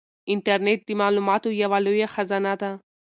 انټرنيټ د معلوماتو یوه لویه خزانه ده.